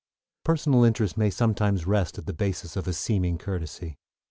Personal interest may sometimes rest at the basis of a seeming courtesy.